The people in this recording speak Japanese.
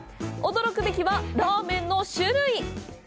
驚くべきは、ラーメンの種類。